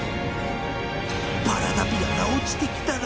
パラダピアが落ちてきたら。